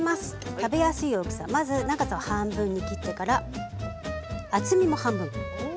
食べやすい大きさ、まず長さを半分に切ってから厚みも半分にします。